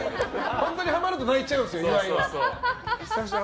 本当にハマると泣いちゃうんですよ、岩井は。